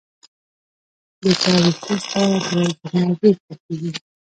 د تا وېښته سره ده زما ډیر خوښیږي